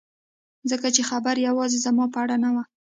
ځکه چې خبره یوازې زما په اړه نه وه